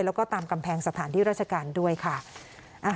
แล้วก็ตามกำแพงสถานที่ราชการด้วยค่ะ